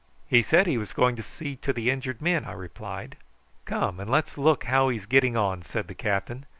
"He said he was going to see to the injured men," I replied. "Come and let's look how he's getting on," said the captain.